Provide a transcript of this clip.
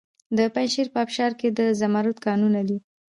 د پنجشیر په ابشار کې د زمرد کانونه دي.